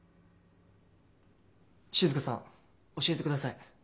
静歌さん教えてください。